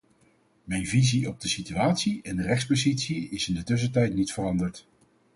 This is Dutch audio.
Mijn visie op de situatie en de rechtspositie is in de tussentijd niet veranderd.